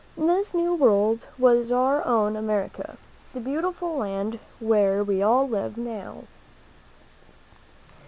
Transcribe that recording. This new world was our own America, the beautiful land where we all live now.